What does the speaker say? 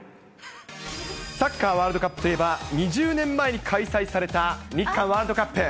サッカーワールドカップといえば、２０年前に開催された日韓ワールドカップ。